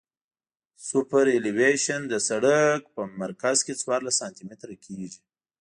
سوپرایلیویشن د سرک په مرکز کې څوارلس سانتي متره کیږي